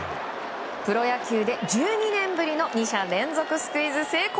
プロ野球で１２年ぶりの２者連続スクイズ成功！